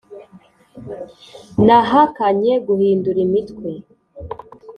nahakanye guhindura imitwe